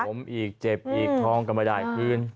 ผมอีกเจ็บอีกทองก็ไม่ได้คืน